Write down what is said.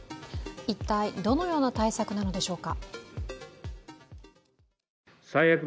一体どのような対策なのでしょうか。